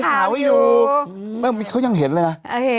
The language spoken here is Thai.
มันอ่าเผื่อนายนะเขายังเห็นเลยนะ